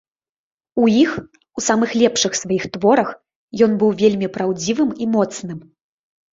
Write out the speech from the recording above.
У іх, у самых лепшых сваіх творах, ён быў вельмі праўдзівым і моцным.